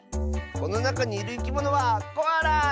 このなかにいるいきものはコアラ！